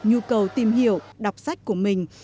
nhu cầu tìm hiểu đọc sách của mình